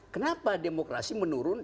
kenapa demokrasi menurun